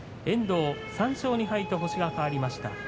遠藤３勝２敗、星が変わりました。